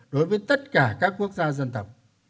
đối với tất cả các quốc gia dân tộc